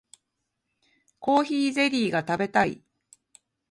コーヒーゼリーが食べたい